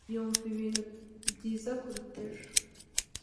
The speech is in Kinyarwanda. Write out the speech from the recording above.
Yumva ibintu byiza kuruta ejo.